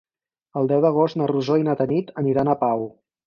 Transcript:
El deu d'agost na Rosó i na Tanit aniran a Pau.